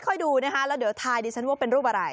ดูนะคะแล้วเดี๋ยวทายดิฉันว่าเป็นรูปอะไร